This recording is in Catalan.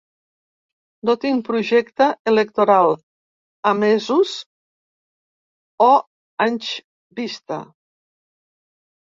No tinc projecte electoral a mesos o anys vista.